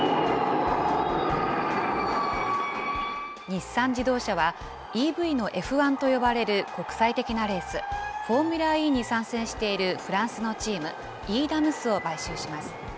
日産自動車は、ＥＶのＦ１と呼ばれる国際的なレース、フォーミュラＥに参戦しているフランスのチーム、ｅ．ｄａｍｓを買収します。